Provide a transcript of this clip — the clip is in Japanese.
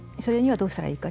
どうしたらいいのか。